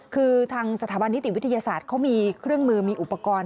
คือทางสถาบันนิติวิทยาศาสตร์เขามีเครื่องมือมีอุปกรณ์